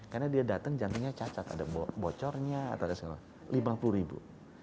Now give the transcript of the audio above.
karena dia datang jantungnya cacat ada bocornya lima puluh ribu